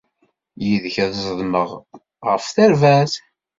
Yid-k, ad ẓedmeɣ ɣef terbaɛt.